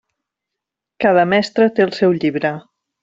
Cada mestre té el seu llibre.